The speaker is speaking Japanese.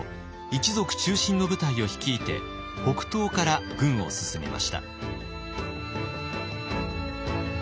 一族中心の部隊を率いて北東から軍を進めました。